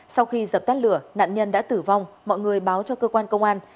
sau khi dập tắt lửa nạn nhân đã tử vong mọi người báo cho cơ quan công an